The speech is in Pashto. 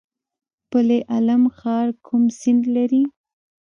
پل علم ښار کوم سیند لري؟